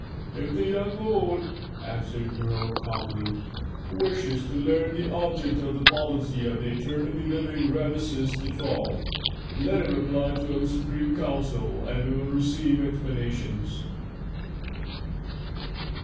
"If the young lord," answered Herhor calmly, "wishes to learn the object of the policy of the eternally living Rameses XII., let him apply to our Supreme Council and he will receive explanations."